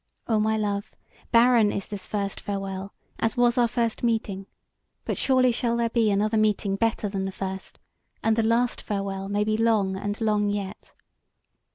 O my love! barren is this first farewell, as was our first meeting; but surely shall there be another meeting better than the first, and the last farewell may be long and long yet."